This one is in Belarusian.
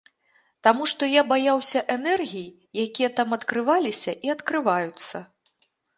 Таму што я баяўся энергій, якія там адкрываліся і адкрываюцца.